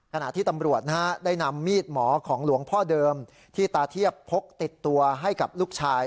ขณะที่ตำรวจได้นำมีดหมอของหลวงพ่อเดิมที่ตาเทียบพกติดตัวให้กับลูกชาย